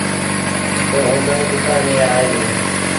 تا اُندآئي ڏسڻ ميݩ آئي ديٚ۔